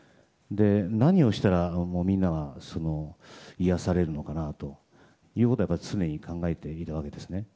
何をしたらみんなが癒やされるのかなということは常に考えているわけですね。